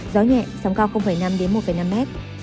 gió nhẹ sóng cao năm một năm m